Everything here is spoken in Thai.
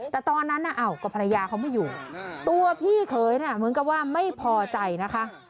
แต่ตอนนั้นน่ะอ้าวก็ภรรยาเขาไม่อยู่ตัวพี่เขยเนี่ยเหมือนกับว่าไม่พอใจนะคะ